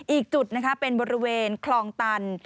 อีกจุดนะคะเป็นบริเวณคลองตัน